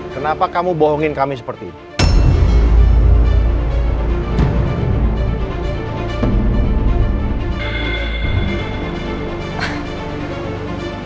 kenapa kamu bohongin kami seperti itu